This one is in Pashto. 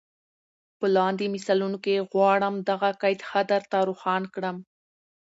په لاندي مثالونو کي غواړم دغه قید ښه در ته روښان کړم.